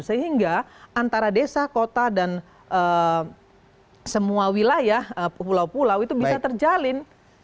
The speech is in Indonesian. sehingga antara desa kota dan semua wilayah pulau pulau itu bisa terjalin